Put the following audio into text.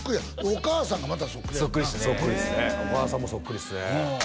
お母さんもそっくりですね